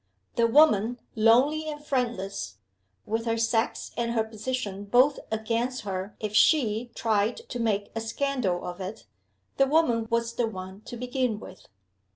The woman lonely and friendless, with her sex and her position both against her if she tried to make a scandal of it the woman was the one to begin with.